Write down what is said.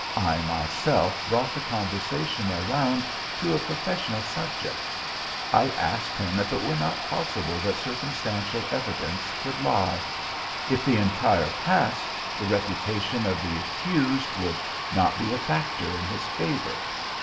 I, myself, brought the conversation around to a professional subject. I asked him if it were not possible that circumstantial evidence could lie; if the entire past, the reputation of the accused would not be a factor in his favour.